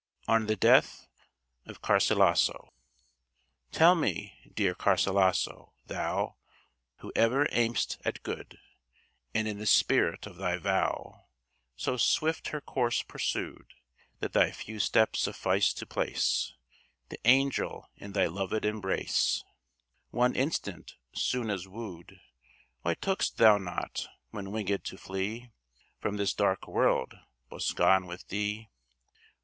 ON THE DEATH OF GARCILASO Tell me, dear Garcilaso, thou Who ever aim'dst at Good, And in the spirit of thy vow, So swift her course pursued That thy few steps sufficed to place The angel in thy loved embrace, Won instant, soon as wooed, Why took'st thou not, when winged to flee From this dark world, Boscan with thee?